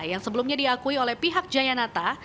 yang sebelumnya diakui oleh pihak jayanata